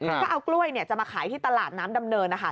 กล้วยถ้าเอากล้วยเนี่ยจะมาขายที่ตลาดน้ำดำเนินนะคะ